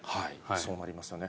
そうなりますよね。